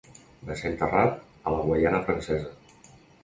Va ser enterrat a la Guaiana Francesa.